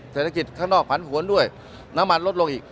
เศรษฐกิจข้างนอกผันหวนด้วยน้ำมันลดลงอีก